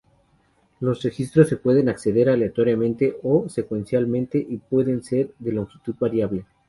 Los registros se pueden acceder aleatoriamente o secuencialmente y pueden ser de longitud variable.